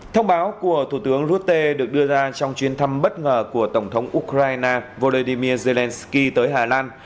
thông báo của thủ tướng rutte được đưa ra trong chuyến thăm bất ngờ của tổng thống ukraine volodymyr zelensky tới hà lan